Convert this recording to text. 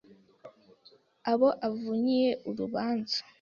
Abo avunyije urubanza